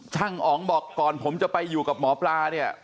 ช่างอ๋องบอกก่อนผมจะไปอยู่กับหมอปลา